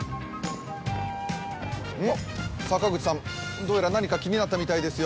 どうやら何か気になったみたいですよ。